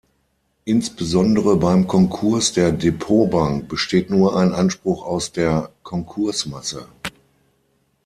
Insbesondere beim Konkurs der Depotbank besteht nur ein Anspruch aus der Konkursmasse.